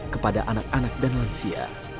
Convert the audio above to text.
kepada anak anak dan lansia